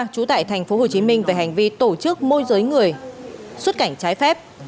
trú tại tp hcm về hành vi tổ chức môi giới người xuất cảnh trái phép